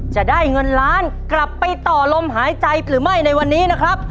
จะได้เงินล้านกลับไปต่อลมหายใจหรือไม่ในวันนี้นะครับ